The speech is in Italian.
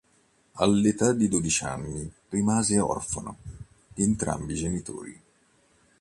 All'età di dodici anni rimase orfano di entrambi i genitori.